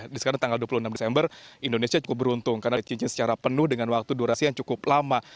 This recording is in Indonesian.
di sekarang tanggal dua puluh enam desember indonesia cukup beruntung karena dicicil secara penuh dengan waktu durasi yang cukup lama